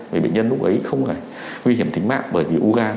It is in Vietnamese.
vì bệnh nhân lúc ấy không phải nguy hiểm tính mạng bởi vì u gan